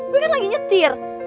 gue kan lagi nyetir